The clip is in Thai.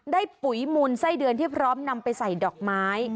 ปุ๋ยมูลไส้เดือนที่พร้อมนำไปใส่ดอกไม้